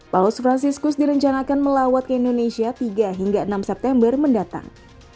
paus franciscus direncanakan melawat ke indonesia tiga hingga enam september mendatang